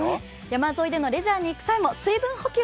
山沿いでのレジャーに行く際も水分補給